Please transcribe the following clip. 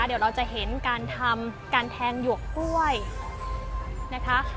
เดี๋ยวเราจะเห็นการทำการแทงหยวกกล้วยนะคะ